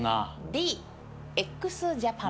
ＤＸＪＡＰＡＮ。